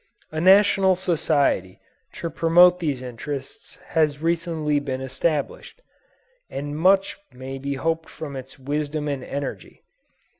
A National Society to promote these interests has recently been established, and much may be hoped from its wisdom and energy.